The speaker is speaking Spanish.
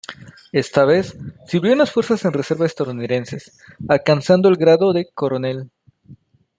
Esta vez sirvió en las Fuerzas en Reserva estadounidenses, alcanzando el grado de coronel.